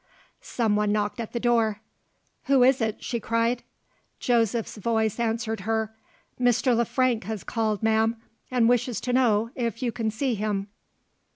Someone knocked at the door. "Who is it?" she cried. Joseph's voice answered her. "Mr. Le Frank has called, ma'am and wishes to know if you can see him."